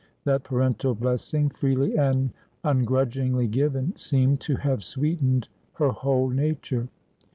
That parental blessing, freely and ungrudgingly given, seemed to have sweetened her whole nature.